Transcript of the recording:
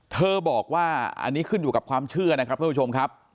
เธอบอกว่าอันนี้ขึ้นอยู่กับความเชื่อนะครับท่านผู้ชมครับ